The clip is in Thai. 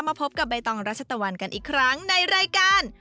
พบกับใบตองรัชตะวันกันอีกครั้งในรายการ